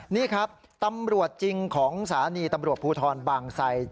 นี่ครับตำรวจจริงของสถานีตำรวจภูทรบางไซ